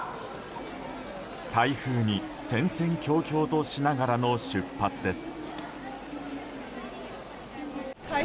台風に戦々恐々としながらの出発です。